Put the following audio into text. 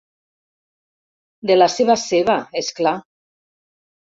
De la seva ceba, és clar.